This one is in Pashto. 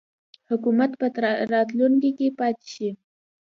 حکومت په راتلونکي کې پاته شي.